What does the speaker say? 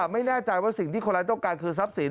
ไม่แน่ใจว่าสิ่งที่คนร้ายต้องการคือทรัพย์สิน